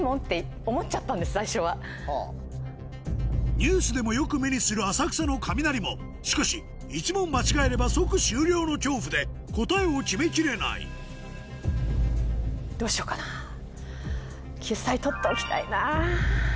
ニュースでもよく目にする浅草の雷門しかし１問間違えれば即終了の恐怖で答えを決めきれない救済取っておきたいな。